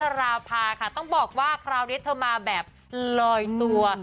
ราภาค่ะต้องบอกว่าคราวนี้เธอมาแบบลอยตัว